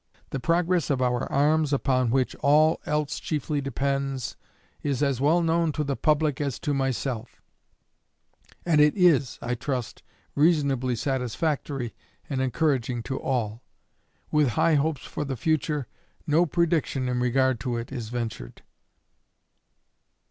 The progress of our arms, upon which all else chiefly depends, is as well known to the public as to myself; and it is, I trust, reasonably satisfactory and encouraging to all. With high hope for the future, no prediction in regard to it is ventured.